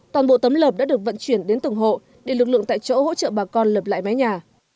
toàn bộ tấm lợp đã được vận chuyển đến từng hộ để lực lượng tại chỗ hỗ trợ bà con lập lại mái nhà